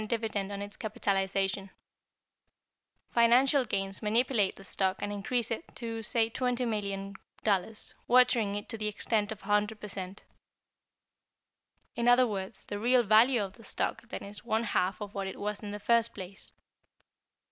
dividend on its capitalization; financial giants manipulate the stock and increase it to, say, $20,000,000, watering it to the extent of 100 per cent. In other words, the real value of the stock then is one half of what it was in the first place.